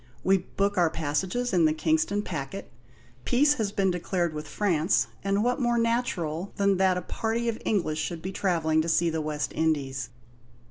We book our passages in the Kingston packet. Peace has been declared with France, and what more natural than that a party of English should be travelling to see the West Indies?